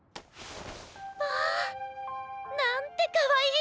まあなんてかわいいの！